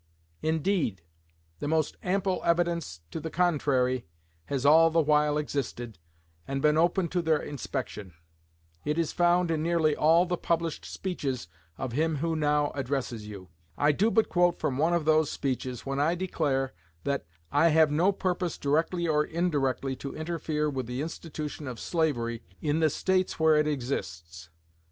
Indeed, the most ample evidence to the contrary has all the while existed and been open to their inspection. It is found in nearly all the published speeches of him who now addresses you. I do but quote from one of those speeches when I declare that "I have no purpose, directly or indirectly, to interfere with the institution of slavery in the States where it exists.